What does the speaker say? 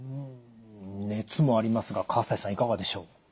熱もありますが西さんいかがでしょう？